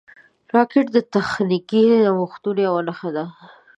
راکټ د تخنیکي نوښتونو یوه نښه ده